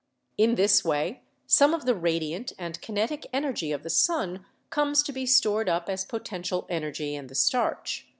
In this way some of the radiant and kinetic energy of the sun comes to be stored up as potential energy in the starch.